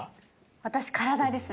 私、体ですね。